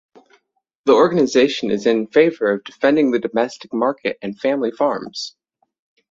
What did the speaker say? The organization is in favor of defending the domestic market and family farms.